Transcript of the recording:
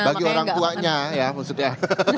bagi orang tuanya ya maksudnya